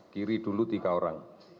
kiri dulu tiga orang